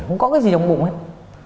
không có cái gì trong bụng hết